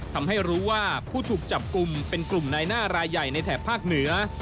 ทำให้รู้ว่าผู้ถูกจับกลุ่มเป็นกลุ่มนายหน้ารายใหญ่ในแถบภาคเหนือ